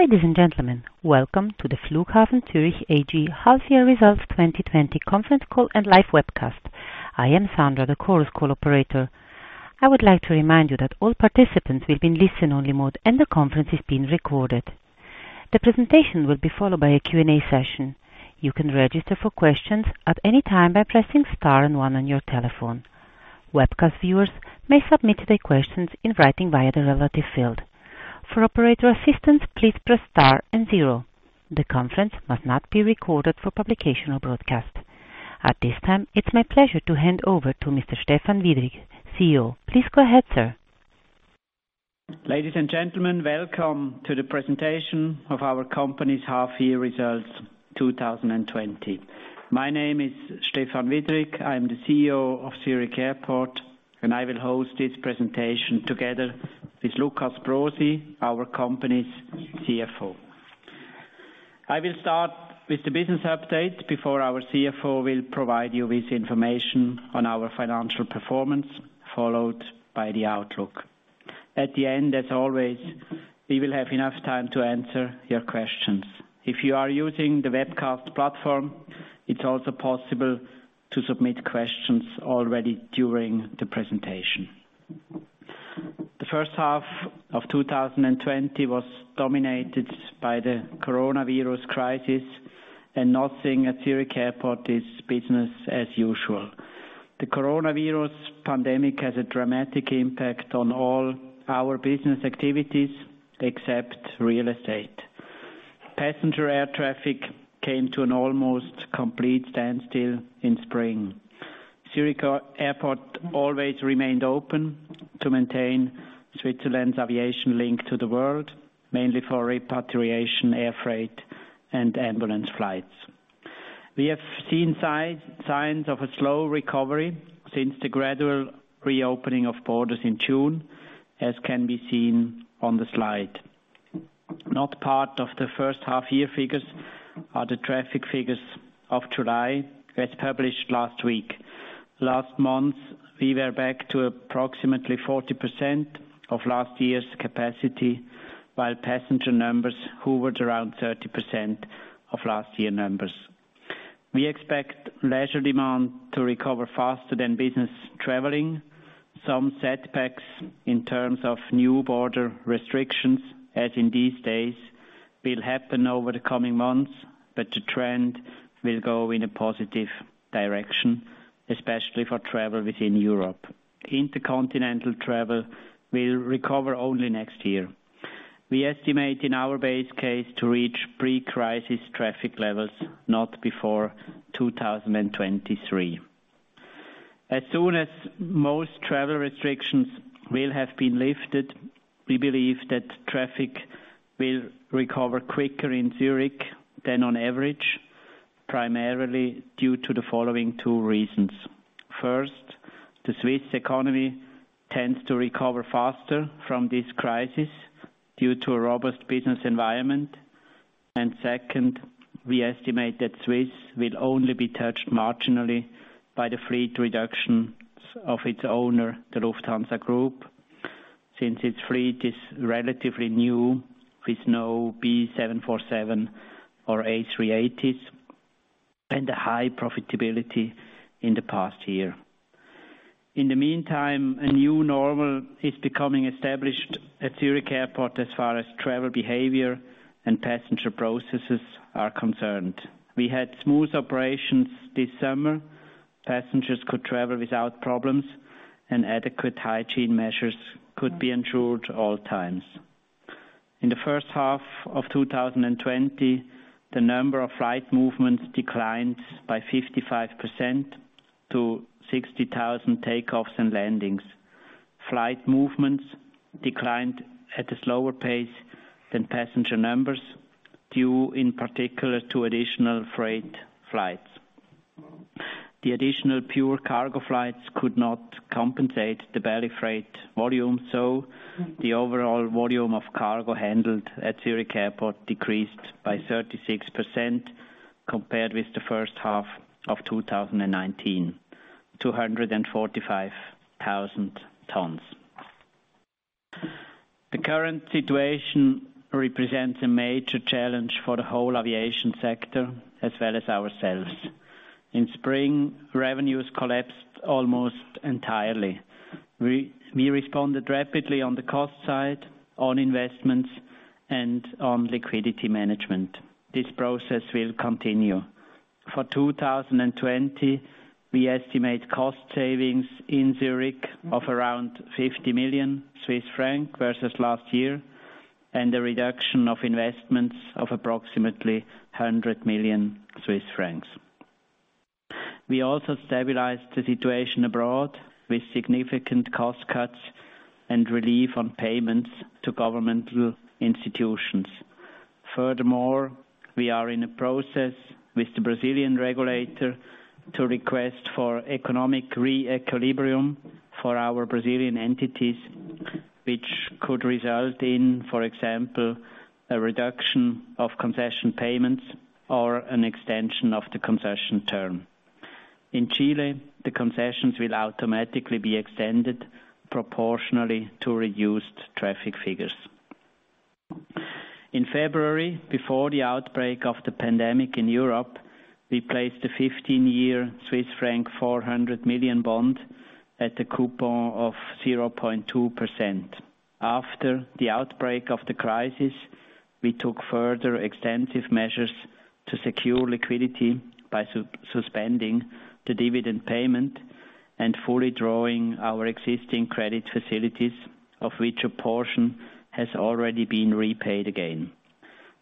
Ladies and gentlemen, welcome to the Flughafen Zürich AG half year results 2020 conference call and live webcast. I am Sandra, the conference call operator. I would like to remind you that all participants will be in listen only mode. The conference is being recorded. The presentation will be followed by a Q&A session. You can register for questions at any time by pressing star and one on your telephone. Webcast viewers may submit their questions in writing via the relative field. For operator assistance, please press star and zero. The conference must not be recorded for publication or broadcast. At this time, it's my pleasure to hand over to Mr. Stephan Widrig, CEO. Please go ahead, sir. Ladies and gentlemen, welcome to the presentation of our company's half year results 2020. My name is Stephan Widrig. I'm the CEO of Zurich Airport, and I will host this presentation together with Lukas Brosi, our company's CFO. I will start with the business update before our CFO will provide you with information on our financial performance, followed by the outlook. At the end, as always, we will have enough time to answer your questions. If you are using the webcast platform, it's also possible to submit questions already during the presentation. The first half of 2020 was dominated by the coronavirus crisis, and nothing at Zurich Airport is business as usual. The coronavirus pandemic has a dramatic impact on all our business activities except real estate. Passenger air traffic came to an almost complete standstill in spring. Zurich Airport always remained open to maintain Switzerland's aviation link to the world, mainly for repatriation, air freight, and ambulance flights. We have seen signs of a slow recovery since the gradual reopening of borders in June, as can be seen on the slide. Not part of the first half year figures are the traffic figures of July, as published last week. Last month, we were back to approximately 40% of last year's capacity, while passenger numbers hovered around 30% of last year numbers. We expect leisure demand to recover faster than business traveling. Some setbacks in terms of new border restrictions, as in these days, will happen over the coming months, but the trend will go in a positive direction, especially for travel within Europe. Intercontinental travel will recover only next year. We estimate in our base case to reach pre-crisis traffic levels not before 2023. As soon as most travel restrictions will have been lifted, we believe that traffic will recover quicker in Zurich than on average, primarily due to the following two reasons. First, the Swiss economy tends to recover faster from this crisis due to a robust business environment. Second, we estimate that Swiss will only be touched marginally by the fleet reductions of its owner, the Lufthansa Group, since its fleet is relatively new with no B747 or A380s, and a high profitability in the past year. In the meantime, a new normal is becoming established at Zurich Airport as far as travel behavior and passenger processes are concerned. We had smooth operations this summer. Passengers could travel without problems and adequate hygiene measures could be ensured at all times. In the first half of 2020, the number of flight movements declined by 55% to 60,000 takeoffs and landings. Flight movements declined at a slower pace than passenger numbers, due in particular to additional freight flights. The additional pure cargo flights could not compensate the belly freight volume, so the overall volume of cargo handled at Zurich Airport decreased by 36% compared with the first half of 2019, 245,000 tons. The current situation represents a major challenge for the whole aviation sector as well as ourselves. In spring, revenues collapsed almost entirely. We responded rapidly on the cost side, on investments, and on liquidity management. This process will continue. For 2020, we estimate cost savings in Zurich of around 50 million Swiss francs versus last year, and a reduction of investments of approximately 100 million Swiss francs. We also stabilized the situation abroad with significant cost cuts and relief on payments to governmental institutions. Furthermore, we are in a process with the Brazilian regulator to request for economic re-equilibrium for our Brazilian entities, which could result in, for example, a reduction of concession payments or an extension of the concession term. In Chile, the concessions will automatically be extended proportionally to reduced traffic figures. In February, before the outbreak of the pandemic in Europe, we placed a 15-year Swiss franc 400 million bond at the coupon of 0.2%. After the outbreak of the crisis, we took further extensive measures to secure liquidity by suspending the dividend payment and fully drawing our existing credit facilities, of which a portion has already been repaid again.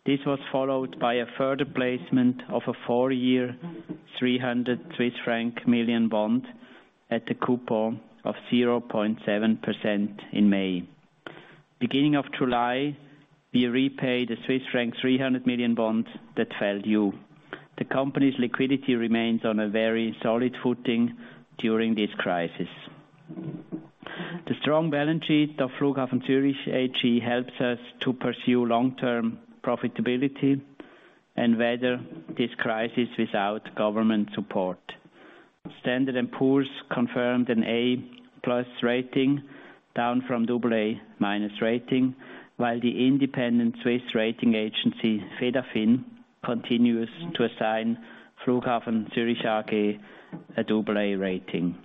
This was followed by a further placement of a four-year 300 million Swiss franc bond at the coupon of 0.7% in May. Beginning of July, we repaid the Swiss franc 300 million bond that fell due. The company's liquidity remains on a very solid footing during this crisis. The strong balance sheet of Flughafen Zürich AG helps us to pursue long-term profitability and weather this crisis without government support. Standard & Poor's confirmed an A+ rating down from AA- rating, while the independent Swiss rating agency, fedafin, continues to assign Flughafen Zürich AG a AA rating.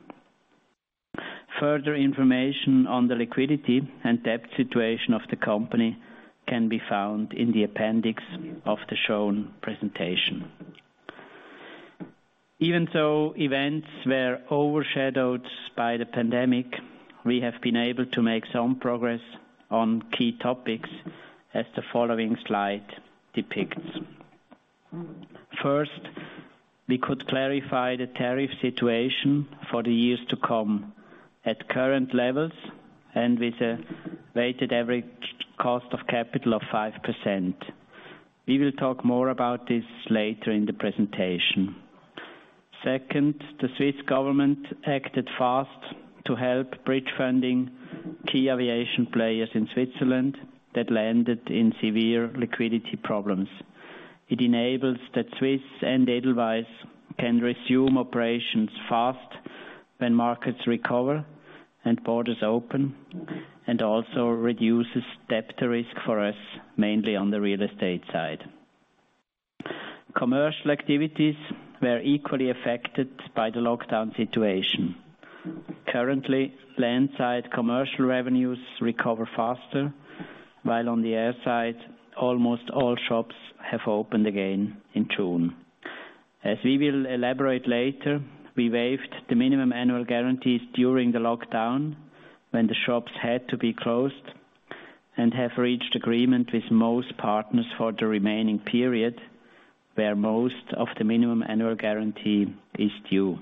Further information on the liquidity and debt situation of the company can be found in the appendix of the shown presentation. Even though events were overshadowed by the pandemic, we have been able to make some progress on key topics, as the following slide depicts. First, we could clarify the tariff situation for the years to come at current levels and with a weighted average cost of capital of 5%. We will talk more about this later in the presentation. Second, the Swiss government acted fast to help bridge funding key aviation players in Switzerland that landed in severe liquidity problems. It enables that Swiss and Edelweiss can resume operations fast when markets recover and borders open. Also reduces debt risk for us, mainly on the real estate side. Commercial activities were equally affected by the lockdown situation. Currently, land side commercial revenues recover faster, while on the air side, almost all shops have opened again in June. As we will elaborate later, we waived the minimum annual guarantees during the lockdown when the shops had to be closed and have reached agreement with most partners for the remaining period, where most of the minimum annual guarantee is due.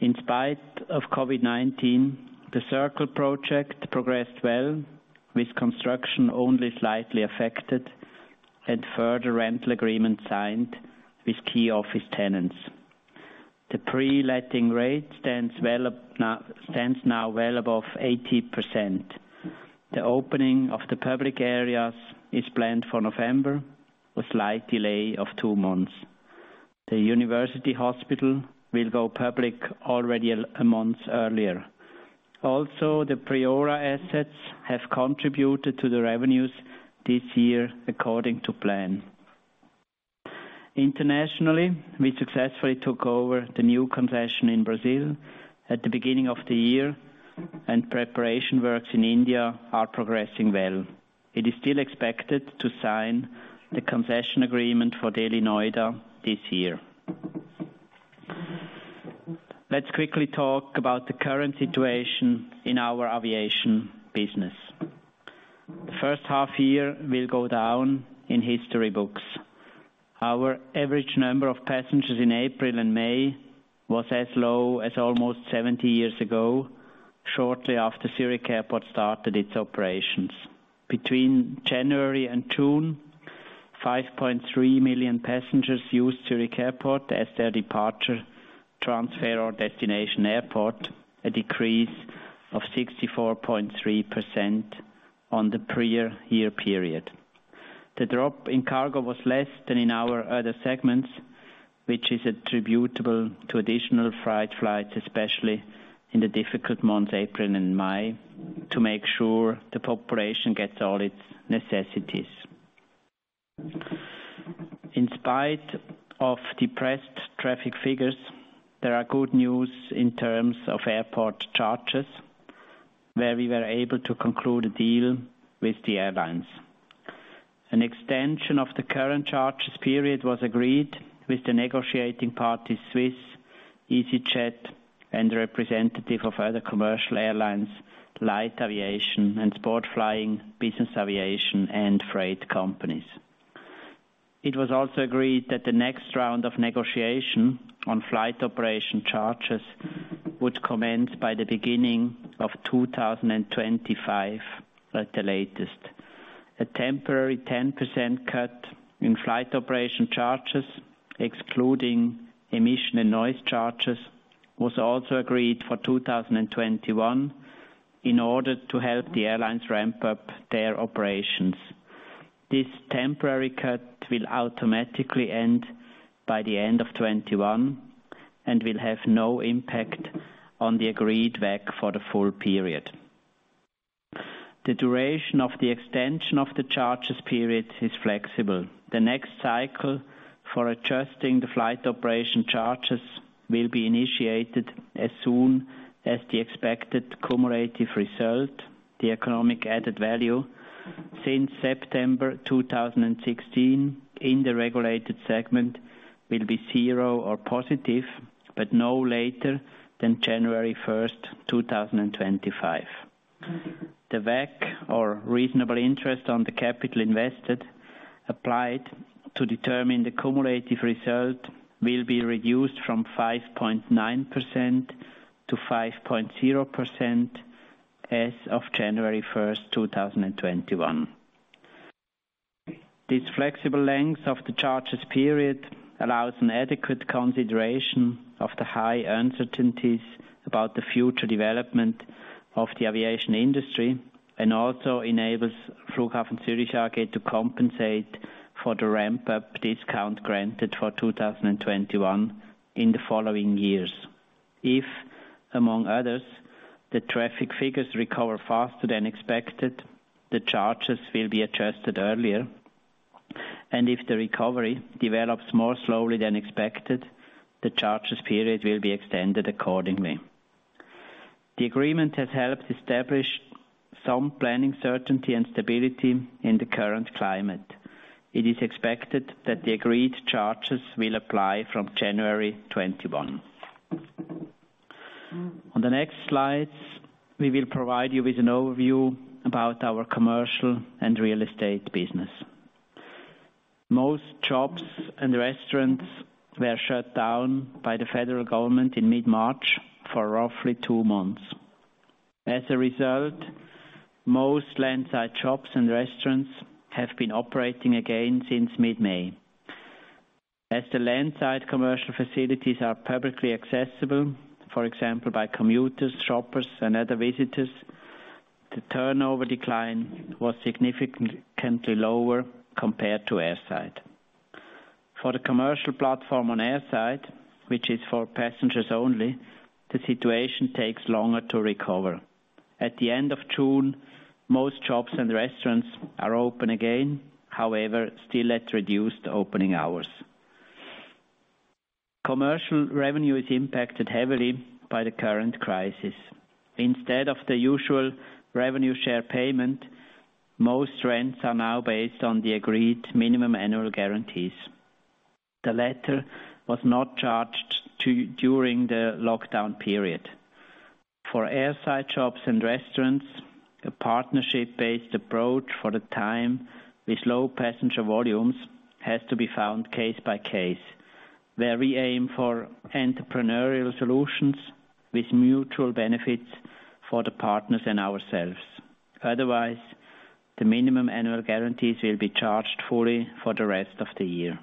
In spite of COVID-19, The Circle project progressed well with construction only slightly affected and further rental agreements signed with key office tenants. The pre-letting rate stands now well above 80%. The opening of the public areas is planned for November, a slight delay of two months. The university hospital will go public already a month earlier. The Priora assets have contributed to the revenues this year according to plan. Internationally, we successfully took over the new concession in Brazil at the beginning of the year, and preparation works in India are progressing well. It is still expected to sign the concession agreement for Delhi Noida this year. Let's quickly talk about the current situation in our aviation business. The first half year will go down in history books. Our average number of passengers in April and May was as low as almost 70 years ago, shortly after Zurich Airport started its operations. Between January and June, 5.3 million passengers used Zurich Airport as their departure, transfer, or destination airport, a decrease of 64.3% on the prior year period. The drop in cargo was less than in our other segments, which is attributable to additional freight flights, especially in the difficult months, April and May, to make sure the population gets all its necessities. In spite of depressed traffic figures, there are good news in terms of airport charges, where we were able to conclude a deal with the airlines. An extension of the current charges period was agreed with the negotiating parties, Swiss, EasyJet, and representative of other commercial airlines, light aviation and sport flying, business aviation, and freight companies. It was also agreed that the next round of negotiation on flight operation charges would commence by the beginning of 2025 at the latest. A temporary 10% cut in flight operation charges, excluding emission and noise charges, was also agreed for 2021 in order to help the airlines ramp up their operations. This temporary cut will automatically end by the end of 2021, and will have no impact on the agreed WACC for the full period. The duration of the extension of the charges period is flexible. The next cycle for adjusting the flight operation charges will be initiated as soon as the expected cumulative result, the economic added value, since September 2016 in the regulated segment will be zero or positive, but no later than January 1st, 2025. The WACC, or reasonable interest on the capital invested, applied to determine the cumulative result will be reduced from 5.9% to 5.0% as of January 1st, 2021. This flexible length of the charges period allows an adequate consideration of the high uncertainties about the future development of the aviation industry, and also enables Flughafen Zürich AG to compensate for the ramp-up discount granted for 2021 in the following years. If, among others, the traffic figures recover faster than expected, the charges will be adjusted earlier, and if the recovery develops more slowly than expected, the charges period will be extended accordingly. The agreement has helped establish some planning certainty and stability in the current climate. It is expected that the agreed charges will apply from January 2021. On the next slides, we will provide you with an overview about our commercial and real estate business. Most shops and restaurants were shut down by the federal government in mid-March for roughly two months. As a result, most landside shops and restaurants have been operating again since mid-May. As the landside commercial facilities are publicly accessible, for example, by commuters, shoppers, and other visitors, the turnover decline was significantly lower compared to airside. For the commercial platform on airside, which is for passengers only, the situation takes longer to recover. At the end of June, most shops and restaurants are open again, however, still at reduced opening hours. Commercial revenue is impacted heavily by the current crisis. Instead of the usual revenue share payment, most rents are now based on the agreed minimum annual guarantees. The latter was not charged during the lockdown period. For airside shops and restaurants, a partnership-based approach for the time with low passenger volumes has to be found case by case, where we aim for entrepreneurial solutions with mutual benefits for the partners and ourselves. Otherwise, the minimum annual guarantees will be charged fully for the rest of the year.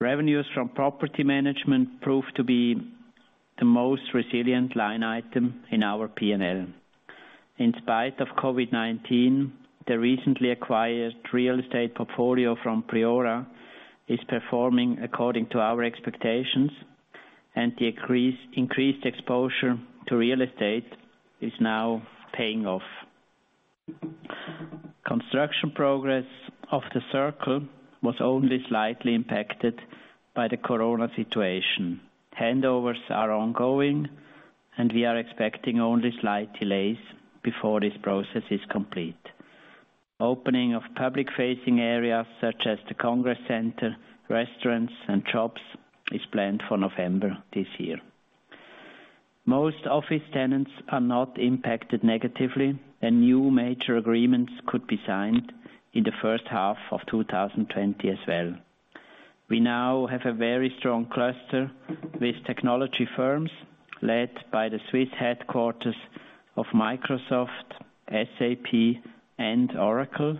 Revenues from property management prove to be the most resilient line item in our P&L. In spite of COVID-19, the recently acquired real estate portfolio from Priora is performing according to our expectations, and the increased exposure to real estate is now paying off. Construction progress of The Circle was only slightly impacted by the corona situation. Handovers are ongoing, and we are expecting only slight delays before this process is complete. Opening of public-facing areas such as the Congress Center, restaurants, and shops is planned for November this year. Most office tenants are not impacted negatively, and new major agreements could be signed in the first half of 2020 as well. We now have a very strong cluster with technology firms led by the Swiss headquarters of Microsoft, SAP, and Oracle,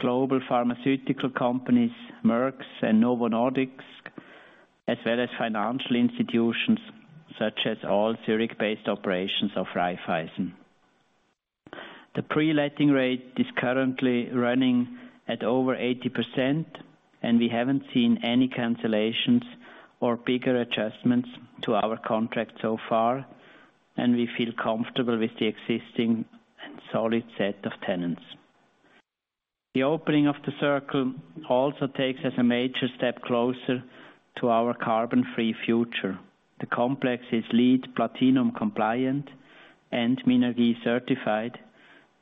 global pharmaceutical companies, Merck and Novo Nordisk, as well as financial institutions such as all Zurich-based operations of Raiffeisen. The pre-letting rate is currently running at over 80%, and we haven't seen any cancellations or bigger adjustments to our contract so far, and we feel comfortable with the existing and solid set of tenants. The opening of The Circle also takes us a major step closer to our carbon-free future. The complex is LEED Platinum compliant and Minergie certified,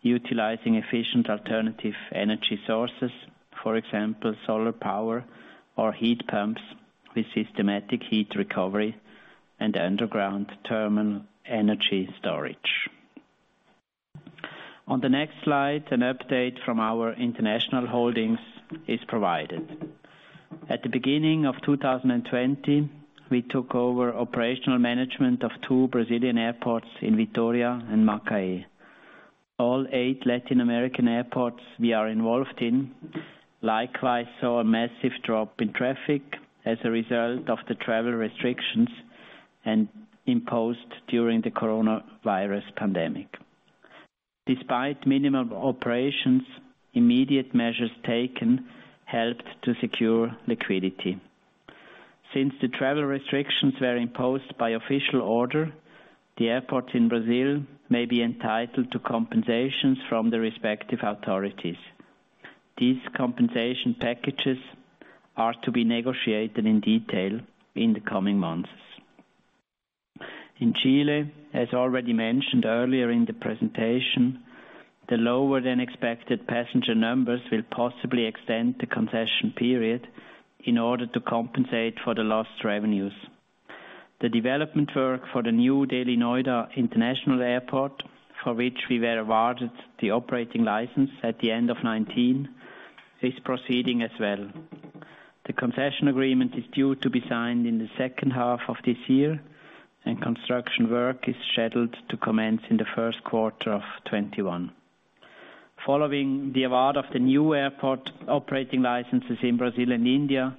utilizing efficient alternative energy sources. For example, solar power or heat pumps with systematic heat recovery and underground thermal energy storage. On the next slide, an update from our international holdings is provided. At the beginning of 2020, we took over operational management of two Brazilian airports in Vitória and Macaé. All eight Latin American airports we are involved in likewise saw a massive drop in traffic as a result of the travel restrictions imposed during the coronavirus pandemic. Despite minimum operations, immediate measures taken helped to secure liquidity. Since the travel restrictions were imposed by official order, the airports in Brazil may be entitled to compensations from the respective authorities. These compensation packages are to be negotiated in detail in the coming months. In Chile, as already mentioned earlier in the presentation, the lower than expected passenger numbers will possibly extend the concession period in order to compensate for the lost revenues. The development work for the new Delhi Noida International Airport, for which we were awarded the operating license at the end of 2019, is proceeding as well. The concession agreement is due to be signed in the second half of this year, and construction work is scheduled to commence in the first quarter of 2021. Following the award of the new airport operating licenses in Brazil and India,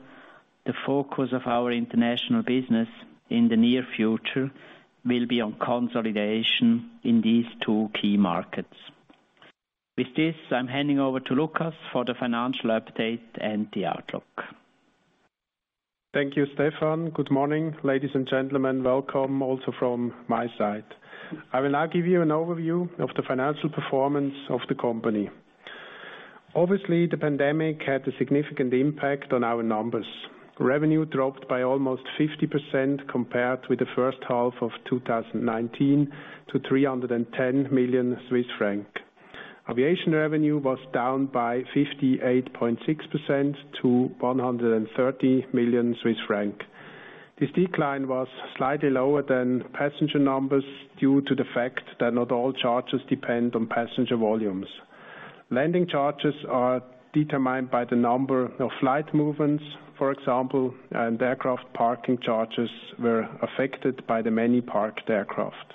the focus of our international business in the near future will be on consolidation in these two key markets. With this, I'm handing over to Lukas for the financial update and the outlook. Thank you, Stephan. Good morning, ladies and gentlemen. Welcome also from my side. I will now give you an overview of the financial performance of the company. Obviously, the pandemic had a significant impact on our numbers. Revenue dropped by almost 50% compared with the first half of 2019 to 310 million Swiss francs. Aviation revenue was down by 58.6% to 130 million Swiss francs. This decline was slightly lower than passenger numbers due to the fact that not all charges depend on passenger volumes. Landing charges are determined by the number of flight movements, for example, and aircraft parking charges were affected by the many parked aircraft.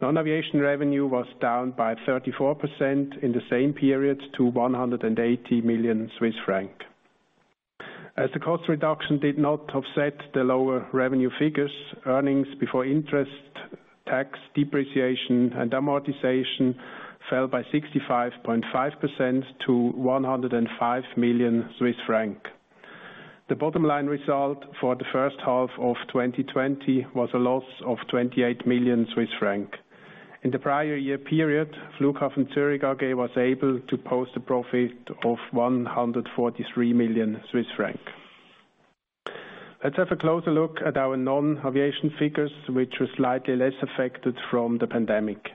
Non-aviation revenue was down by 34% in the same period to 180 million Swiss francs. As the cost reduction did not offset the lower revenue figures, earnings before interest, tax, depreciation, and amortization fell by 65.5% to 105 million Swiss franc. The bottom line result for the first half of 2020 was a loss of 28 million Swiss francs. In the prior year period, Flughafen Zürich AG was able to post a profit of 143 million Swiss francs. Let's have a closer look at our non-aviation figures, which were slightly less affected from the pandemic.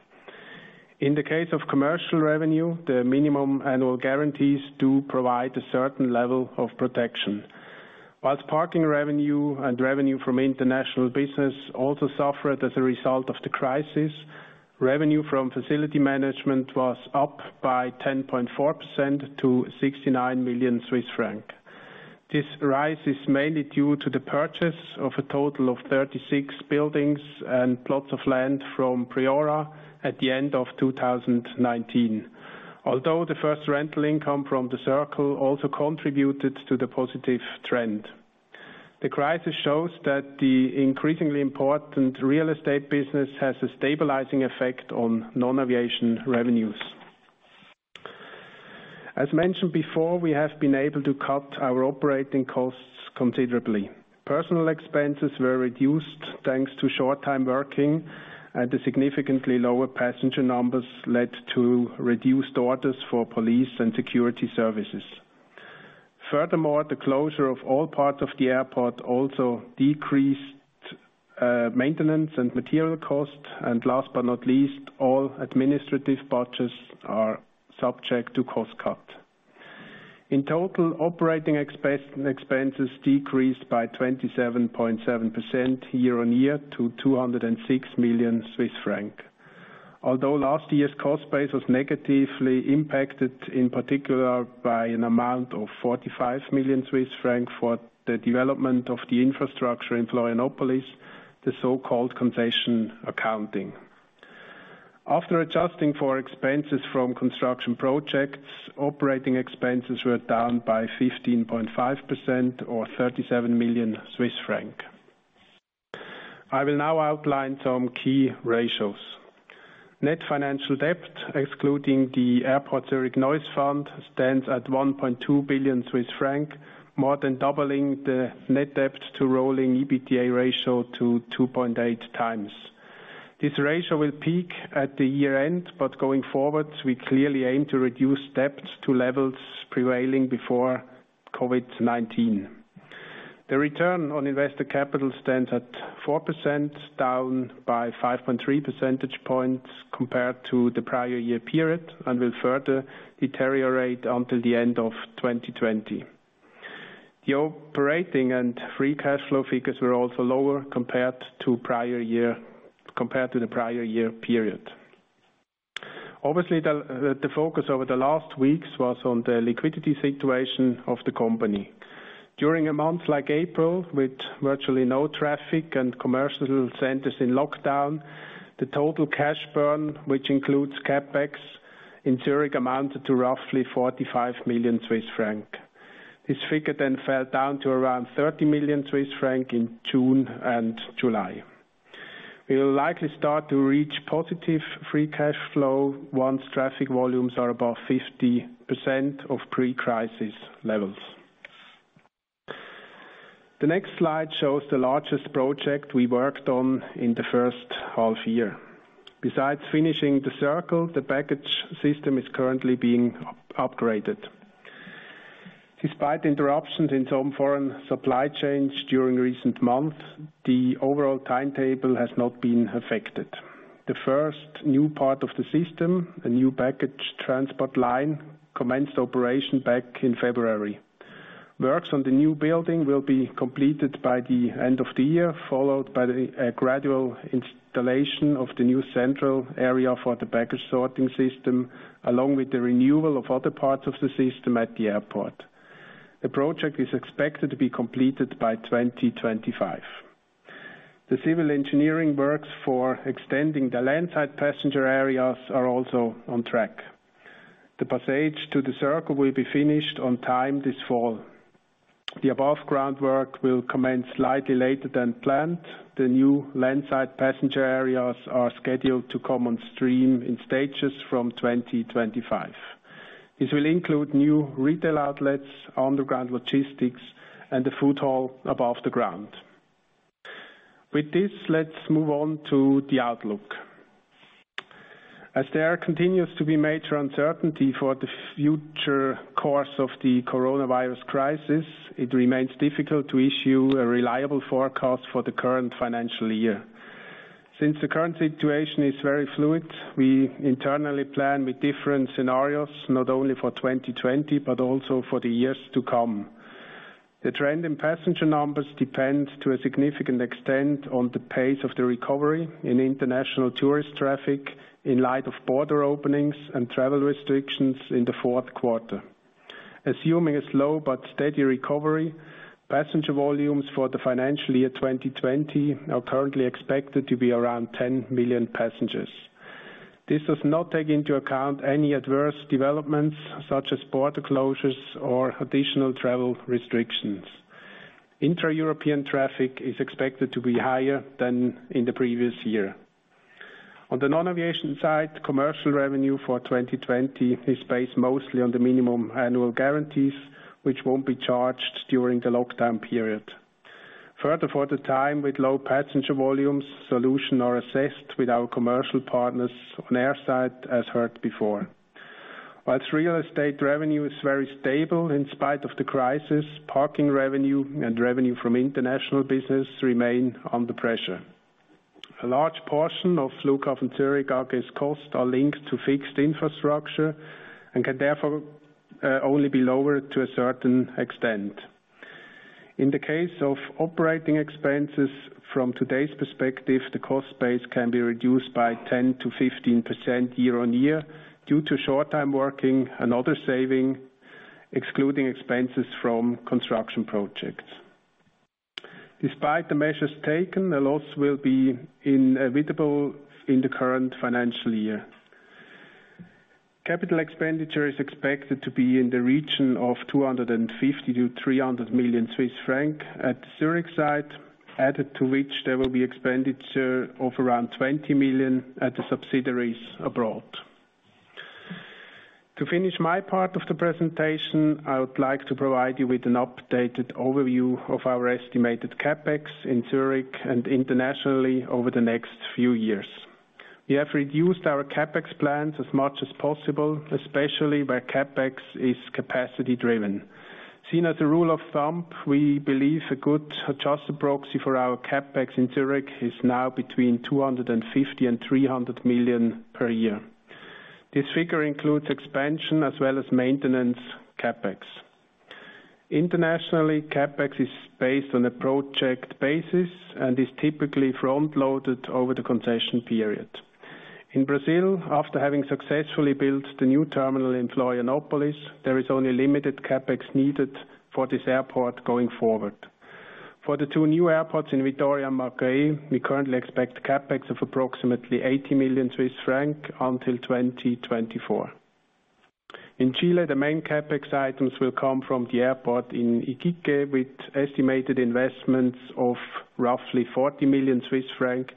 In the case of commercial revenue, the minimum annual guarantees do provide a certain level of protection. Whilst parking revenue and revenue from international business also suffered as a result of the crisis, revenue from facility management was up by 10.4% to 69 million Swiss francs. This rise is mainly due to the purchase of a total of 36 buildings and plots of land from Priora at the end of 2019. Although the first rental income from The Circle also contributed to the positive trend. The crisis shows that the increasingly important real estate business has a stabilizing effect on non-aviation revenues. As mentioned before, we have been able to cut our operating costs considerably. Personal expenses were reduced thanks to short-time working, and the significantly lower passenger numbers led to reduced orders for police and security services. Furthermore, the closure of all parts of the airport also decreased maintenance and material costs. Last but not least, all administrative budgets are subject to cost cut. In total, operating expenses decreased by 27.7% year-on-year to 206 million Swiss francs. Although last year's cost base was negatively impacted, in particular by an amount of 45 million Swiss francs for the development of the infrastructure in Florianópolis, the so-called concession accounting. After adjusting for expenses from construction projects, operating expenses were down by 15.5% or 37 million Swiss francs. I will now outline some key ratios. Net financial debt, excluding the Airport Zurich Noise Fund, stands at 1.2 billion Swiss franc, more than doubling the net debt to rolling EBITDA ratio to 2.8x. Going forward, we clearly aim to reduce debts to levels prevailing before COVID-19. The return on investor capital stands at 4%, down by 5.3 percentage points compared to the prior year period and will further deteriorate until the end of 2020. The operating and free cash flow figures were also lower compared to the prior year period. Obviously, the focus over the last weeks was on the liquidity situation of the company. During a month like April, with virtually no traffic and commercial centers in lockdown, the total cash burn, which includes CapEx, in Zurich amounted to roughly 45 million Swiss franc. This figure fell down to around 30 million Swiss franc in June and July. We will likely start to reach positive free cash flow once traffic volumes are above 50% of pre-crisis levels. The next slide shows the largest project we worked on in the first half year. Besides finishing The Circle, the baggage system is currently being upgraded. Despite interruptions in some foreign supply chains during recent months, the overall timetable has not been affected. The first new part of the system, a new baggage transport line, commenced operation back in February. Works on the new building will be completed by the end of the year, followed by the gradual installation of the new central area for the baggage sorting system, along with the renewal of other parts of the system at the airport. The project is expected to be completed by 2025. The civil engineering works for extending the landside passenger areas are also on track. The passage to The Circle will be finished on time this fall. The above-ground work will commence slightly later than planned. The new landside passenger areas are scheduled to come on stream in stages from 2025. This will include new retail outlets, underground logistics, and a food hall above the ground. With this, let's move on to the outlook. As there continues to be major uncertainty for the future course of the coronavirus crisis, it remains difficult to issue a reliable forecast for the current financial year. Since the current situation is very fluid, we internally plan with different scenarios, not only for 2020, but also for the years to come. The trend in passenger numbers depends to a significant extent on the pace of the recovery in international tourist traffic in light of border openings and travel restrictions in the fourth quarter. Assuming a slow but steady recovery, passenger volumes for the financial year 2020 are currently expected to be around 10 million passengers. This does not take into account any adverse developments such as border closures or additional travel restrictions. Intra-European traffic is expected to be higher than in the previous year. On the non-aviation side, commercial revenue for 2020 is based mostly on the minimum annual guarantees, which won't be charged during the lockdown period. Further, for the time with low passenger volumes, solutions are assessed with our commercial partners on the airside, as heard before. While real estate revenue is very stable in spite of the crisis, parking revenue and revenue from international business remain under pressure. A large portion of Flughafen Zürich AG's costs are linked to fixed infrastructure and can therefore only be lowered to a certain extent. In the case of operating expenses from today's perspective, the cost base can be reduced by 10%-15% year-on-year due to short-time working and other saving, excluding expenses from construction projects. Despite the measures taken, the loss will be inevitable in the current financial year. Capital expenditure is expected to be in the region of 250 million-300 million Swiss franc at the Zürich site, added to which there will be expenditure of around 20 million at the subsidiaries abroad. To finish my part of the presentation, I would like to provide you with an updated overview of our estimated CapEx in Zürich and internationally over the next few years. We have reduced our CapEx plans as much as possible, especially where CapEx is capacity driven. Seen as a rule of thumb, we believe a good adjusted proxy for our CapEx in Zürich is now between 250 million and 300 million per year. This figure includes expansion as well as maintenance CapEx. Internationally, CapEx is based on a project basis and is typically front-loaded over the concession period. In Brazil, after having successfully built the new terminal in Florianópolis, there is only limited CapEx needed for this airport going forward. For the two new airports in Vitória and Macae, we currently expect CapEx of approximately 80 million Swiss francs until 2024. In Chile, the main CapEx items will come from the airport in Iquique, with estimated investments of roughly 40 million Swiss francs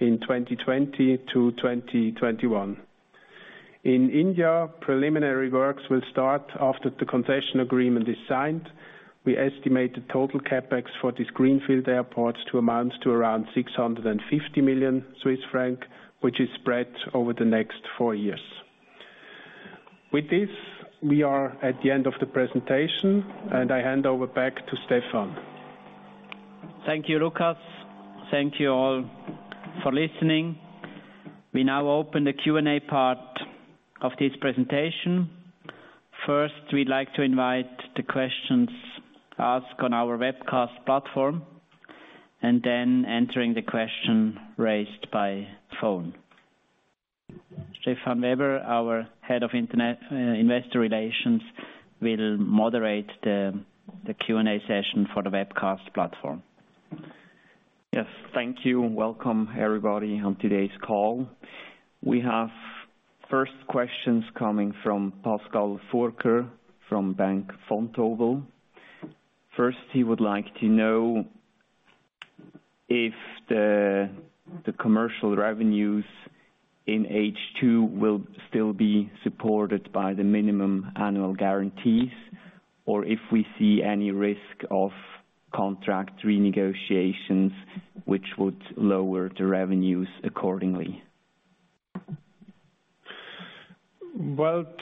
in 2020-2021. In India, preliminary works will start after the concession agreement is signed. We estimate the total CapEx for these greenfield airports to amount to around 650 million Swiss francs, which is spread over the next four years. With this, we are at the end of the presentation, and I hand over back to Stephan. Thank you, Lukas. Thank you all for listening. We now open the Q&A part of this presentation. First, we'd like to invite the questions asked on our webcast platform, and then answering the question raised by phone. Stefan Weber, our Head of Investor Relations, will moderate the Q&A session for the webcast platform. Yes. Thank you and welcome everybody on today's call. We have first questions coming from Pascal Furrer from Bank Vontobel. First, he would like to know if the commercial revenues in H2 will still be supported by the minimum annual guarantees, or if we see any risk of contract renegotiations, which would lower the revenues accordingly.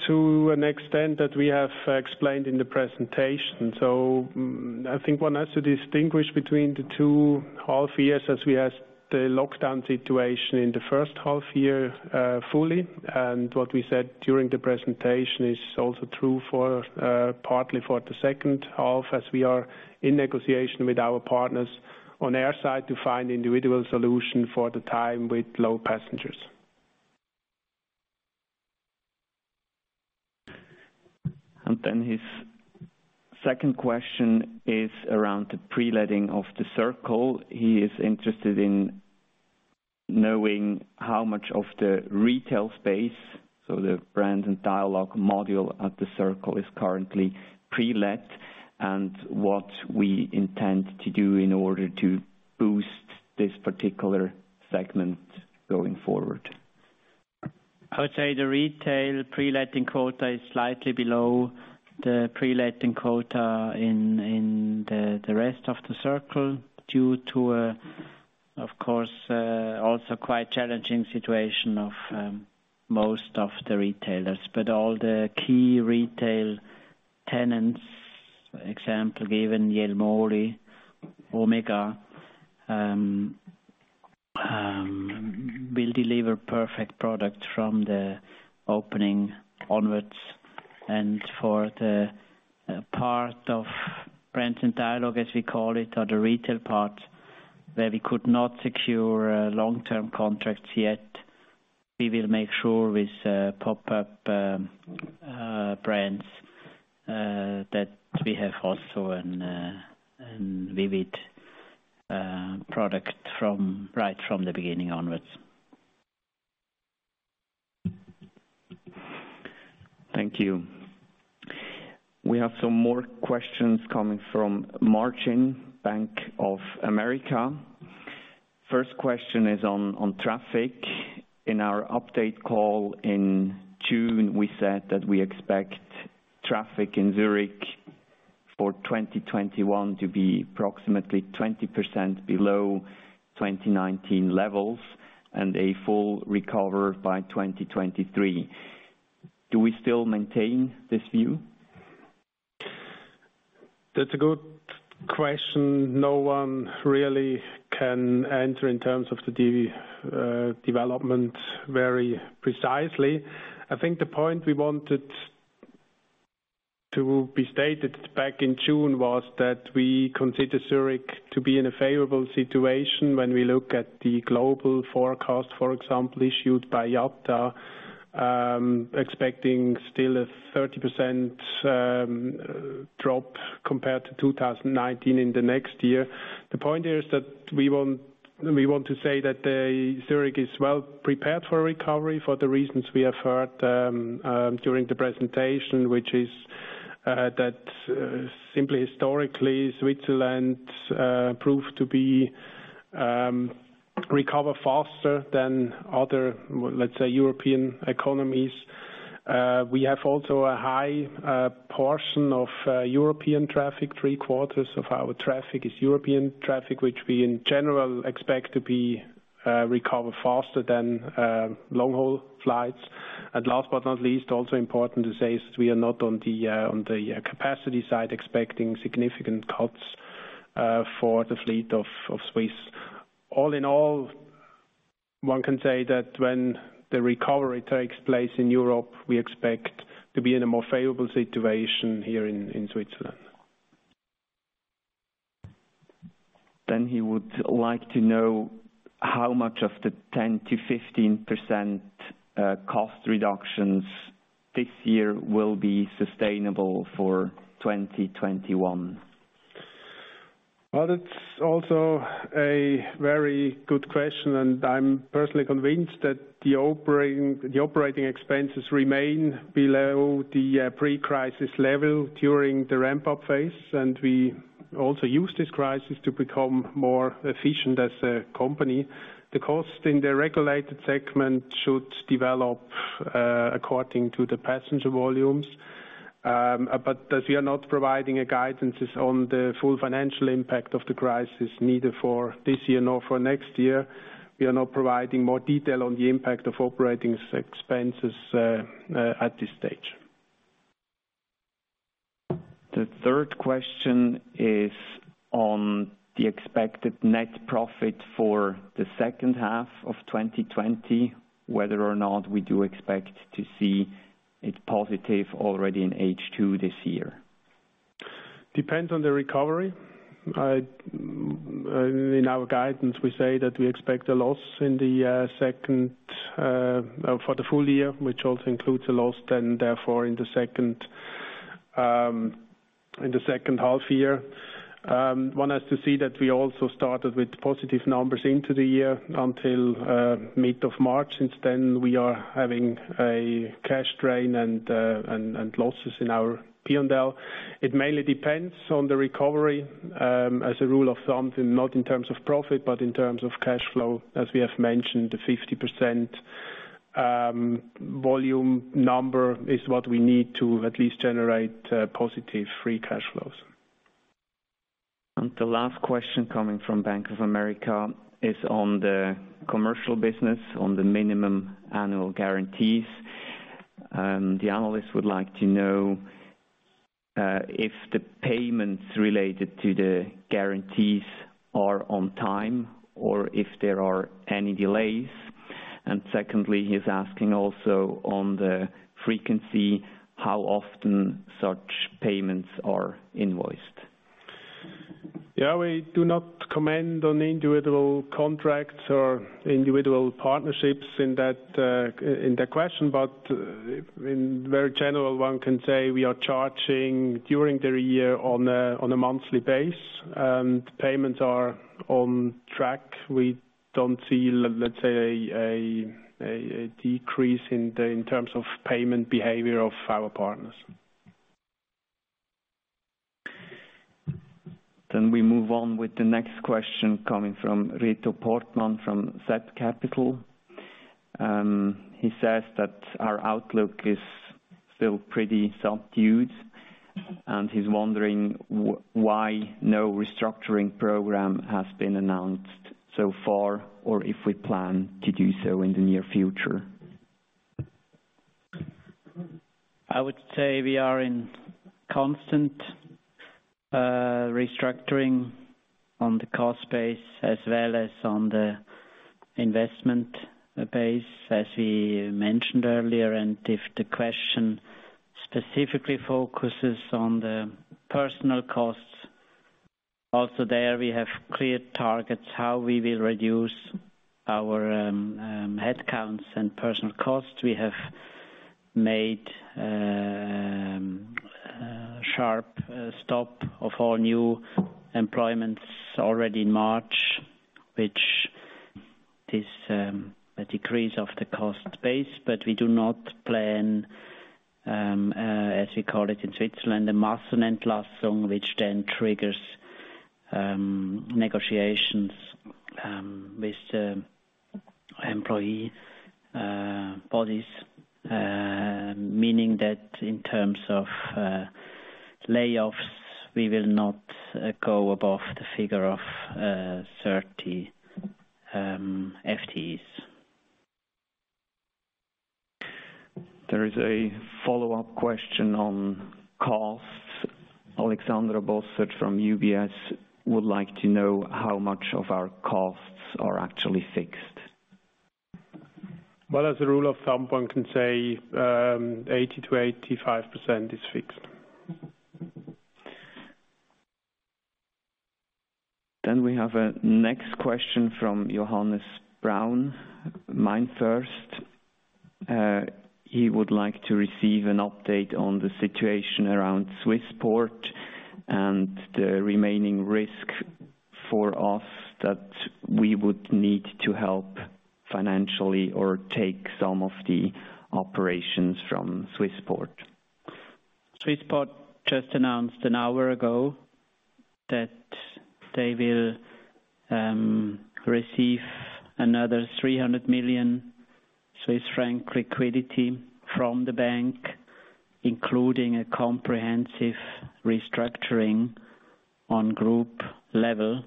To an extent that we have explained in the presentation. I think one has to distinguish between the two half years as we had the lockdown situation in the first half year fully. What we said during the presentation is also true partly for the second half as we are in negotiation with our partners on our side to find individual solution for the time with low passengers. His second question is around the pre-letting of The Circle. He is interested in knowing how much of the retail space, so the Brands & Dialogue module at The Circle is currently pre-let, and what we intend to do in order to boost this particular segment going forward. I would say the retail pre-letting quota is slightly below the pre-letting quota in the rest of The Circle due to, of course, also quite challenging situation of most of the retailers. All the key retail tenants, example given, Jil Sander, Omega, will deliver perfect product from the opening onwards. For the part of brands and dialogue, as we call it, or the retail part, where we could not secure long-term contracts yet, we will make sure with pop-up brands that we have also a vivid product right from the beginning onwards. Thank you. We have some more questions coming from Marcin, Bank of America. First question is on traffic. In our update call in June, we said that we expect traffic in Zurich for 2021 to be approximately 20% below 2019 levels and a full recovery by 2023. Do we still maintain this view? That's a good question. No one really can answer in terms of the development very precisely. I think the point we wanted to be stated back in June was that we consider Zurich to be in a favorable situation when we look at the global forecast, for example, issued by IATA, expecting still a 30% drop compared to 2019 in the next year. The point here is that we want to say that Zurich is well prepared for recovery for the reasons we have heard during the presentation, which is that simply historically, Switzerland proved to recover faster than other, let's say, European economies. We have also a high portion of European traffic. Three quarters of our traffic is European traffic, which we, in general, expect to recover faster than long haul flights. Last but not least, also important to say is we are not on the capacity side expecting significant cuts for the fleet of Swiss. All in all, one can say that when the recovery takes place in Europe, we expect to be in a more favorable situation here in Switzerland. He would like to know how much of the 10%-15% cost reductions this year will be sustainable for 2021. Well, that's also a very good question, and I'm personally convinced that the operating expenses remain below the pre-crisis level during the ramp up phase. We also use this crisis to become more efficient as a company. The cost in the regulated segment should develop according to the passenger volumes. As we are not providing a guidance on the full financial impact of the crisis needed for this year nor for next year, we are not providing more detail on the impact of operating expenses at this stage. The third question is on the expected net profit for the second half of 2020, whether or not we do expect to see it positive already in H2 this year. Depends on the recovery. In our guidance, we say that we expect a loss for the full year, which also includes a loss therefore in the second half year. One has to see that we also started with positive numbers into the year until mid of March. Since then, we are having a cash drain and losses in our P&L. It mainly depends on the recovery as a rule of thumb, not in terms of profit, but in terms of cash flow. As we have mentioned, the 50% volume number is what we need to at least generate positive free cash flows. The last question coming from Bank of America is on the commercial business, on the minimum annual guarantees. The analyst would like to know if the payments related to the guarantees are on time, or if there are any delays. Secondly, he's asking also on the frequency, how often such payments are invoiced. Yeah, we do not comment on individual contracts or individual partnerships in the question. In very general, one can say we are charging during the year on a monthly base. Payments are on track. We don't see, let's say, a decrease in terms of payment behavior of our partners. We move on with the next question coming from Reto Portmann from zCapital. He says that our outlook is still pretty subdued, and he's wondering why no restructuring program has been announced so far, or if we plan to do so in the near future. I would say we are in constant restructuring on the cost base as well as on the investment base, as we mentioned earlier. If the question specifically focuses on the personal costs, also there we have clear targets how we will reduce our headcounts and personal costs. We have made a sharp stop of all new employments already in March, which is a decrease of the cost base. We do not plan, as we call it in Switzerland, the Massenentlassung, which then triggers negotiations with employee bodies. Meaning that in terms of layoffs, we will not go above the figure of 30 FTEs. There is a follow-up question on costs. Alexandra Bossert from UBS would like to know how much of our costs are actually fixed. Well, as a rule of thumb, one can say 80%-85% is fixed. We have a next question from Johannes Braun, MainFirst. He would like to receive an update on the situation around Swissport and the remaining risk for us that we would need to help financially or take some of the operations from Swissport. Swissport just announced an hour ago that they will receive another 300 million Swiss franc liquidity from the bank, including a comprehensive restructuring on group level.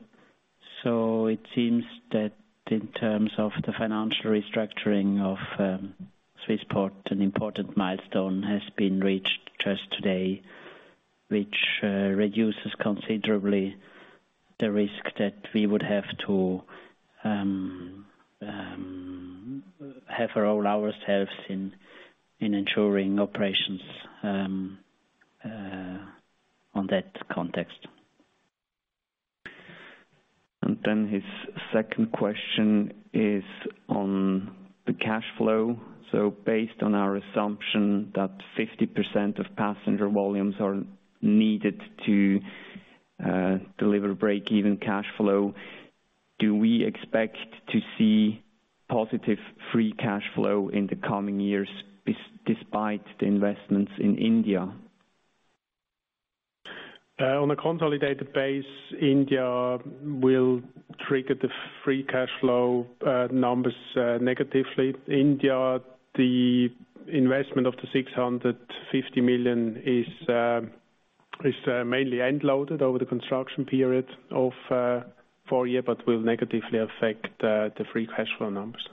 It seems that in terms of the financial restructuring of Swissport, an important milestone has been reached just today, which reduces considerably the risk that we would have to cover all ourselves in ensuring operations on that context. His second question is on the cash flow. Based on our assumption that 50% of passenger volumes are needed to deliver breakeven cash flow, do we expect to see positive free cash flow in the coming years despite the investments in India? On a consolidated base, India will trigger the free cash flow numbers negatively. India, the investment of the 650 million is mainly end-loaded over the construction period of four years, but will negatively affect the free cash flow numbers.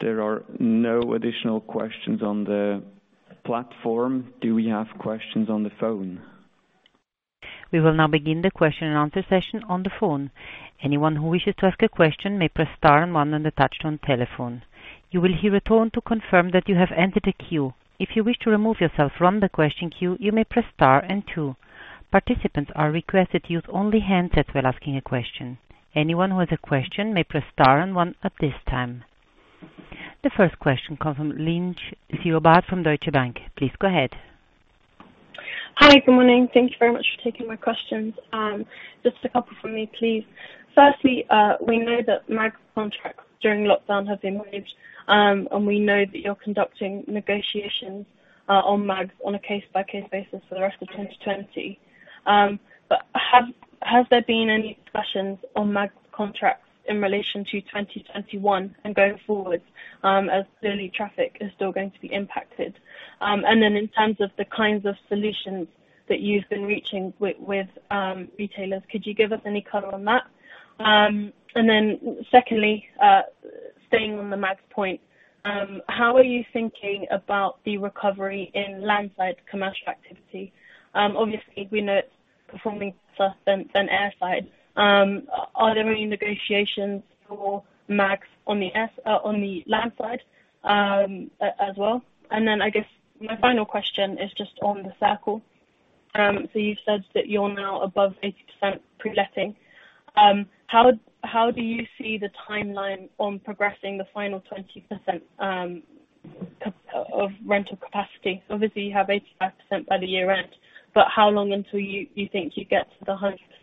There are no additional questions on the platform. Do we have questions on the phone? We will now begin the question and answer session on the phone. Anyone who wishes to ask a question may press star and one on the touch-tone telephone. You will hear a tone to confirm that you have entered a queue. If you wish to remove yourself from the question queue, you may press star and two. Participants are requested to use only handsets while asking a question. Anyone who has a question may press star one at this time. The first question comes from Nicola Sherbatoff from Deutsche Bank. Please go ahead. Hi, good morning. Thank you very much for taking my questions. Just a couple from me, please. Firstly, we know that MAG contracts during lockdown have been waived, and we know that you're conducting negotiations on MAGs on a case-by-case basis for the rest of 2020. Has there been any discussions on MAG contracts in relation to 2021 and going forward, as clearly traffic is still going to be impacted? In terms of the kinds of solutions that you've been reaching with retailers, could you give us any color on that? Secondly, staying on the MAG point, how are you thinking about the recovery in landside commercial activity? Obviously, we know it's performing worse than airside. Are there any negotiations for MAGs on the landside as well? I guess my final question is just on The Circle. You said that you're now above 80% pre-letting. How do you see the timeline on progressing the final 20% of rental capacity? Obviously, you have 85% by the year-end, but how long until you think you get to the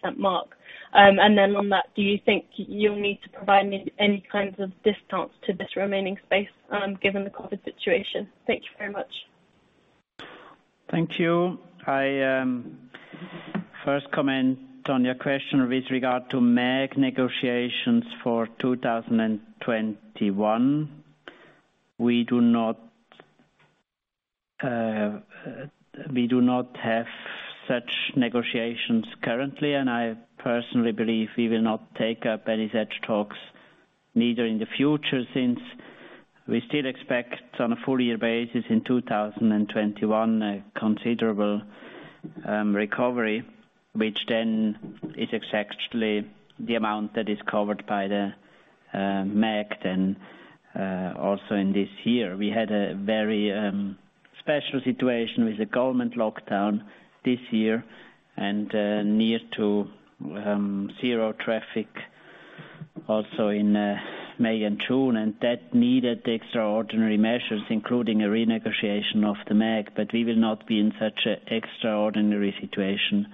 100% mark? On that, do you think you'll need to provide any kind of discount to this remaining space given the COVID situation? Thank you very much. Thank you. I first comment on your question with regard to MAG negotiations for 2021. I personally believe we will not take up any such talks neither in the future, since we still expect on a full year basis in 2021, a considerable recovery, which then is exactly the amount that is covered by the MAG then also in this year. We had a very special situation with the government lockdown this year and near to zero traffic also in May and June. That needed extraordinary measures, including a renegotiation of the MAG. We will not be in such an extraordinary situation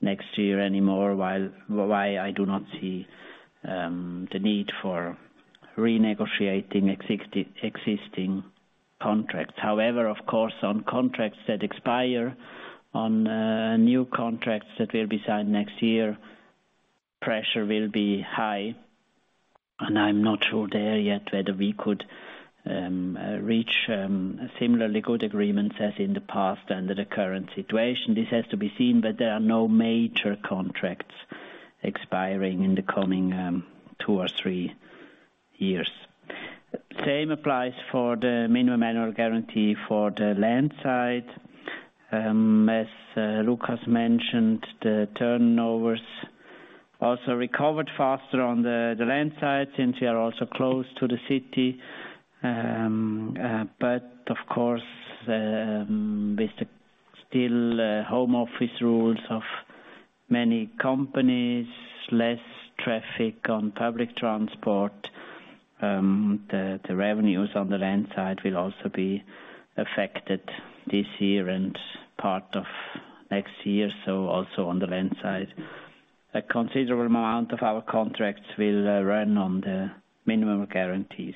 next year anymore while I do not see the need for renegotiating existing contracts. Of course, on contracts that expire, on new contracts that will be signed next year, pressure will be high, and I'm not sure there yet whether we could reach similarly good agreements as in the past and the current situation. This has to be seen, there are no major contracts expiring in the coming two or three years. Same applies for the minimum annual guarantee for the landside. As Lukas mentioned, the turnovers also recovered faster on the landside since we are also close to the city. Of course, with the still home office rules of many companies, less traffic on public transport, the revenues on the landside will also be affected this year and part of next year. Also on the landside, a considerable amount of our contracts will run on the minimum guarantees.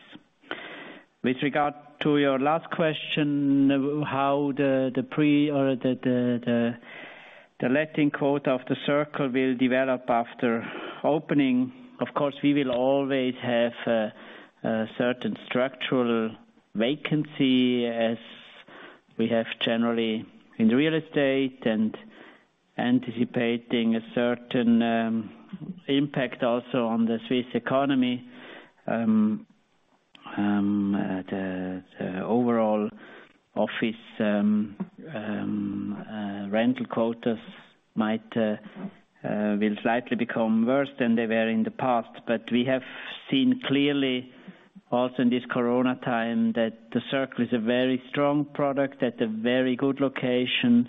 With regard to your last question, how the pre or the letting quota of The Circle will develop after opening, of course, we will always have a certain structural vacancy as we have generally in real estate and anticipating a certain impact also on the Swiss economy. The overall office rental quotas will slightly become worse than they were in the past. We have seen clearly also in this corona time that The Circle is a very strong product at a very good location,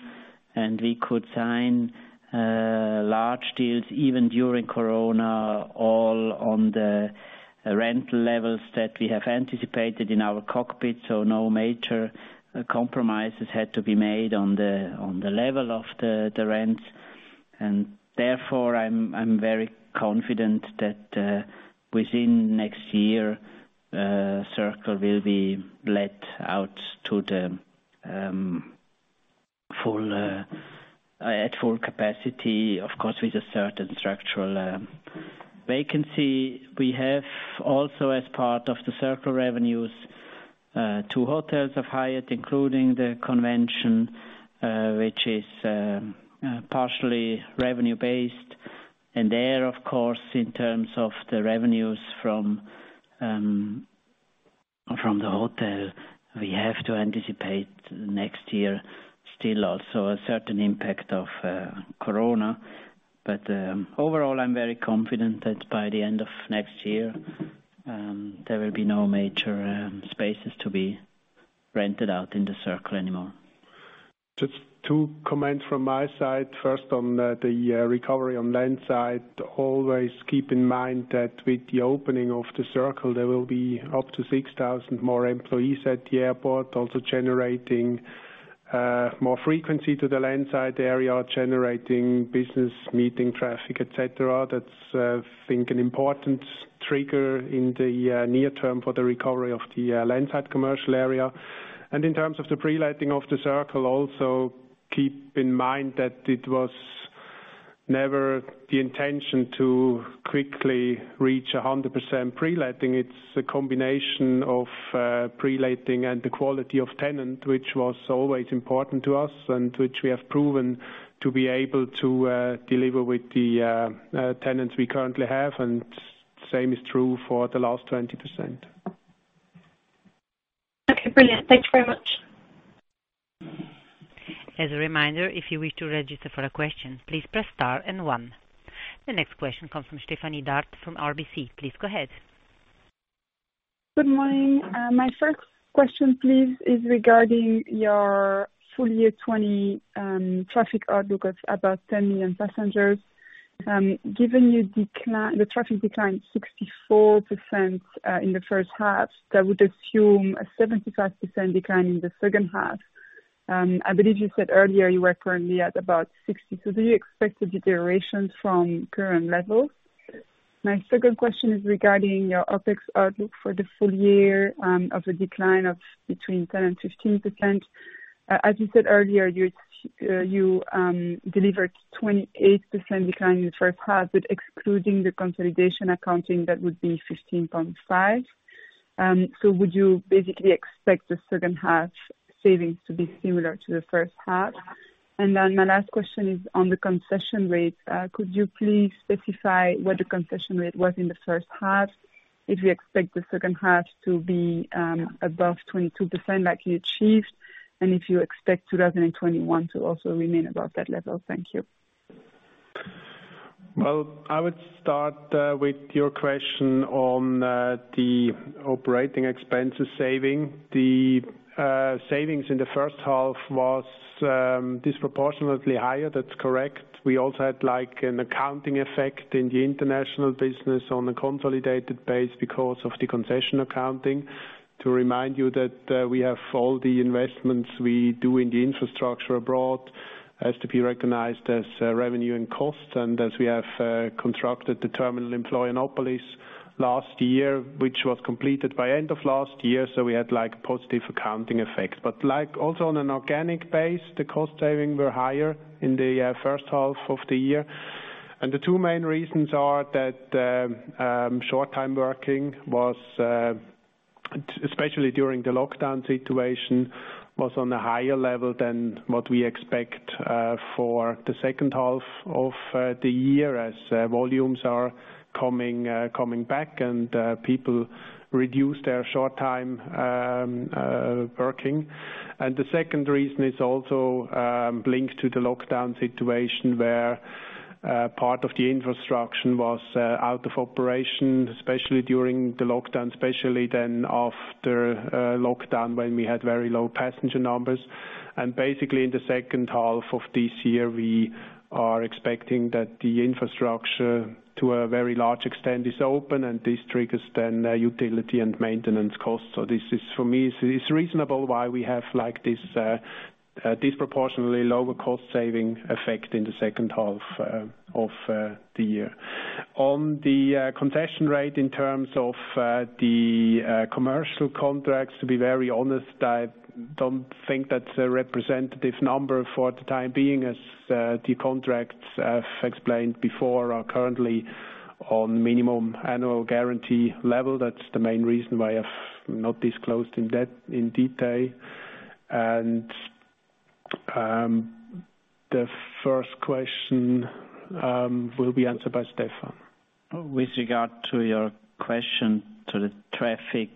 and we could sign large deals even during corona, all on the rental levels that we have anticipated in our cockpit. No major compromises had to be made on the level of the rents. Therefore, I'm very confident that within next year, The Circle will be let out at full capacity, of course, with a certain structural vacancy. We have also as part of The Circle revenues, two hotels of Hyatt, including the convention, which is partially revenue-based. There, of course, in terms of the revenues from the hotel, we have to anticipate next year still also a certain impact of Corona. But overall, I'm very confident that by the end of next year, there will be no major spaces to be rented out in The Circle anymore. Two comments from myside, On the recovery on landside. Always keep in mind that with the opening of The Circle, there will be up to 6,000 more employees at the airport, also generating more frequency to the landside area, generating business meeting traffic, et cetera. That's, I think, an important trigger in the near term for the recovery of the landside commercial area. In terms of the pre-letting of The Circle, also keep in mind that it was never the intention to quickly reach 100% pre-letting. It's a combination of pre-letting and the quality of tenant, which was always important to us, and which we have proven to be able to deliver with the tenants we currently have, and same is true for the last 20%. Okay, brilliant. Thanks very much. As a reminder, if you wish to register for a question, please press star and one. The next question comes from Stéphanie D'Ath from RBC. Please go ahead. Good morning. My first question, please, is regarding your full year 2020 traffic outlook of about 10 million passengers. Given the traffic decline 64% in the first half, that would assume a 75% decline in the second half. I believe you said earlier you were currently at about 60%. Do you expect a deterioration from current levels? My second question is regarding your OpEx outlook for the full year of a decline of between 10% and 15%. As you said earlier, you delivered 28% decline in the first half. Excluding the concession accounting, that would be 15.5%. Would you basically expect the second half savings to be similar to the first half? My last question is on the concession rates. Could you please specify what the concession rate was in the first half, if you expect the second half to be above 22% like you achieved, and if you expect 2021 to also remain above that level? Thank you. Well, I would start with your question on the operating expenses savings. The savings in the first half were disproportionately higher, that's correct. We also had an accounting effect in the international business on a consolidated base because of the concession accounting. To remind you that we have all the investments we do in the infrastructure abroad, have to be recognized as revenue and cost. As we have constructed the terminal in Florianópolis last year, which was completed by end of last year, we had positive accounting effects. Also on an organic base, the cost savings were higher in the first half of the year. The two main reasons are that short time working, especially during the lockdown situation, was on a higher level than what we expect for the second half of the year as volumes are coming back and people reduce their short time working. The second reason is also linked to the lockdown situation, where part of the infrastructure was out of operation, especially during the lockdown, especially then after lockdown when we had very low passenger numbers. Basically, in the second half of this year, we are expecting that the infrastructure, to a very large extent, is open, and this triggers then utility and maintenance costs. This is, for me, it's reasonable why we have this disproportionately lower cost saving effect in the second half of the year. On the concession rate in terms of the commercial contracts, to be very honest, I don't think that's a representative number for the time being as the contracts, I've explained before, are currently on minimum annual guarantee level. That's the main reason why I have not disclosed in detail. The first question will be answered by Stephan. With regard to your question to the traffic,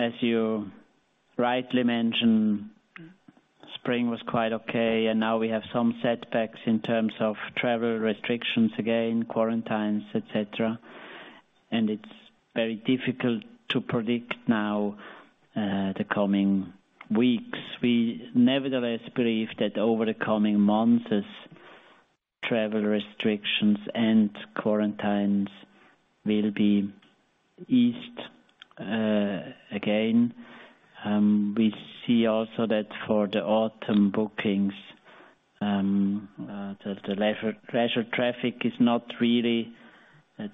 as you rightly mentioned, spring was quite okay. Now we have some setbacks in terms of travel restrictions, again, quarantines, et cetera. It's very difficult to predict now the coming weeks. We nevertheless believe that over the coming months, as travel restrictions and quarantines will be eased again, we see also that for the autumn bookings, the leisure traffic is not really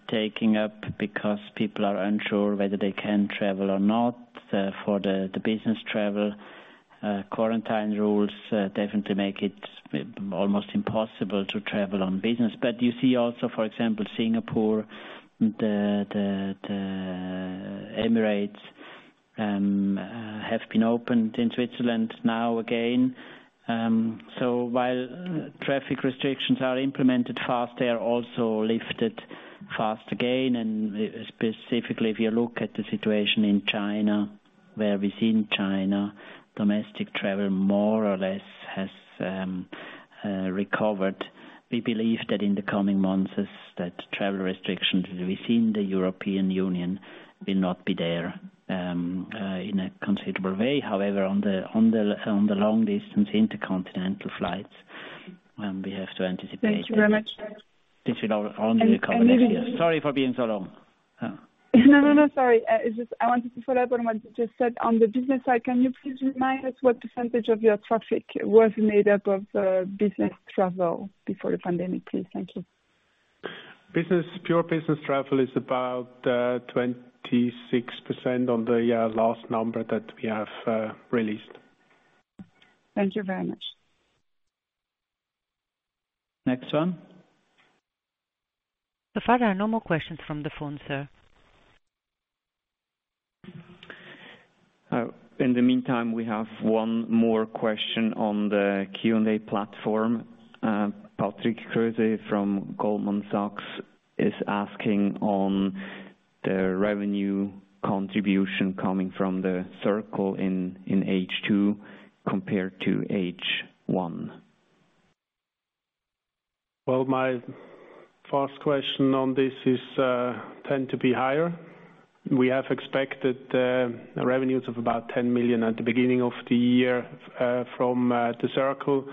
taking up because people are unsure whether they can travel or not. For the business travel, quarantine rules definitely make it almost impossible to travel on business. You see also, for example, Singapore, the Emirates, have been opened in Switzerland now again. While traffic restrictions are implemented fast, they are also lifted fast again, and specifically if you look at the situation in China, where within China, domestic travel more or less has recovered. We believe that in the coming months, that travel restrictions within the European Union will not be there in a considerable way. However, on the long-distance intercontinental flights, we have to anticipate. Thank you very much. This will only recover next year. Sorry for being so long. No, sorry. I wanted to follow up on what you just said. On the business side, can you please remind us what percentage of your traffic was made up of business travel before the pandemic, please? Thank you. Pure business travel is about 26% on the last number that we have released. Thank you very much. Next one. So far, there are no more questions from the phone, sir. In the meantime, we have one more question on the Q&A platform. Patrick Creuset from Goldman Sachs is asking on the revenue contribution coming from The Circle in H2 compared to H1. Well, my first question on this is tend to be higher. We have expected revenues of about 10 million at the beginning of the year from The Circle,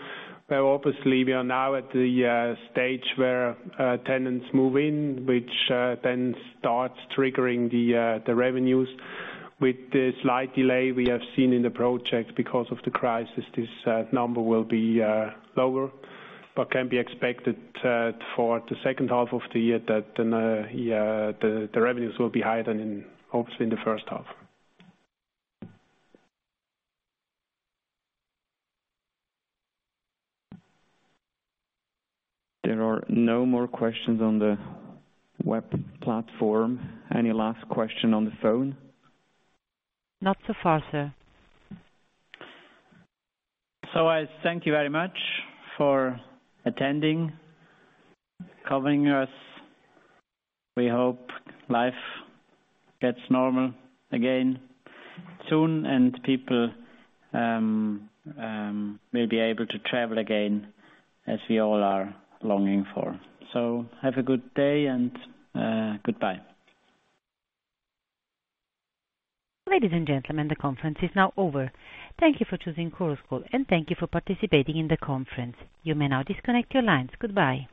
where obviously we are now at the stage where tenants move in, which then starts triggering the revenues. With the slight delay we have seen in the project because of the crisis, this number will be lower, but can be expected for the second half of the year, the revenues will be higher than obviously in the first half. There are no more questions on the web platform. Any last question on the phone? Not so far, sir. I thank you very much for attending, covering us. We hope life gets normal again soon and people will be able to travel again, as we all are longing for. Have a good day, and goodbye. Ladies and gentlemen, the conference is now over. Thank you for choosing Chorus Call, and thank you for participating in the conference. You may now disconnect your lines. Goodbye.